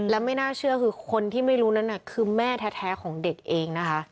และไม่น่าเชื่อคือคนที่ไม่รู้นั้นคือแม่แท้ของเด็กเองนะคะ